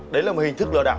đấy là một hình thức lừa đảo